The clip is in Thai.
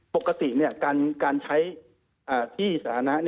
ปกติการใช้ที่สถานะ